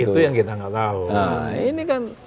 itu yang kita nggak tahu